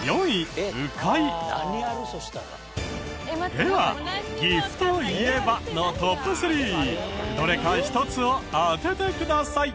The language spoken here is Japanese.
では岐阜と言えば？のトップ３どれか１つを当ててください。